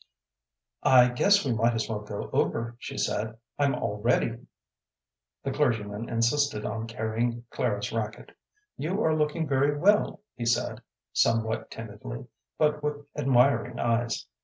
"I guess we might as well go over," she said. "I'm all ready." The clergyman insisted on carrying Clara's racquet. "You are looking very well," he said, somewhat timidly, but with admiring eyes.